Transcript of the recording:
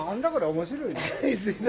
面白いね。